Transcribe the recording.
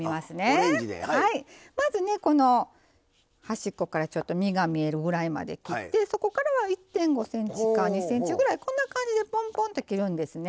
まずねこの端っこからちょっと実が見えるぐらいまで切ってそこからは１．５ｃｍか２ｃｍぐらいこんな感じでぽんぽんって切るんですね。